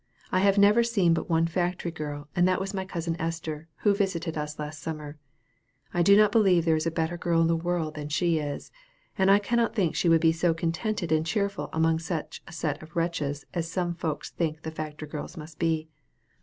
I have never seen but one factory girl, and that was my cousin Esther, who visited us last summer. I do not believe there is a better girl in the world than she is; and I cannot think she would be so contented and cheerful among such a set of wretches as some folks think factory girls must be.